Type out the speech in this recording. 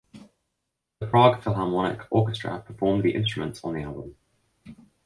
The Prague Philharmonic Orchestra performed the instruments on the album.